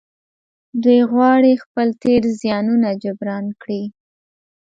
دوی غواړي خپل تېر زيانونه جبران کړي.